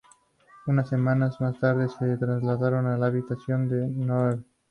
Unas semanas más tarde, se trasladaron a la habitación de Noodle.